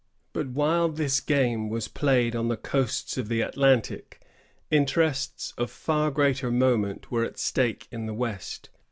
But while this game was played on the coasts of the Atlantic, interests of far greater moment were at stake in the west.